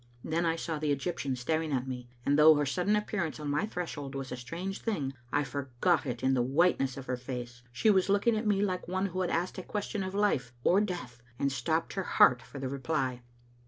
Then I saw the Egyptian staring at me, and though her suddtn appearance on my threshold was a strange thing, I for got it in the whiteness of her face. She was looking at me like one who has asked a question of life or death, and stopped her heart for the reply.